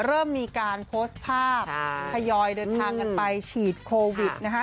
เริ่มมีการโพสต์ภาพทยอยเดินทางกันไปฉีดโควิดนะคะ